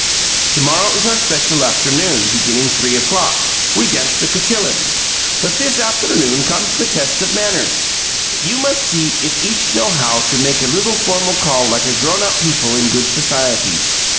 Tomorrow is our special afternoon; beginning three o'clock, we dance the cotillon. But this afternoon comes the test of mannerss. You must see if each know how to make a little formal call like a grown up people in good societies.